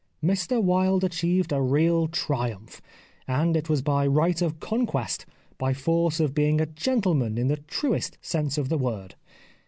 Mr Wilde achieved a real triumph, and it was by right of conquest, by force of being a gentleman in the truest sense of the word.